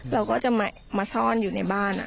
เราก็จะมาซ่อนอยู่ในบ้าน